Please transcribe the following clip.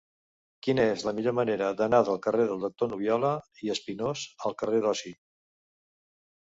Quina és la millor manera d'anar del carrer del Doctor Nubiola i Espinós al carrer d'Osi?